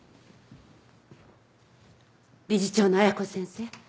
理事長の綾子先生